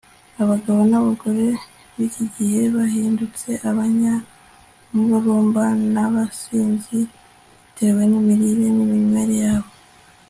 abagabo n'abagore b'iki gihe bahindutse abanyamururumba n'abasinzi bitewe n'imirire n'iminywere yabo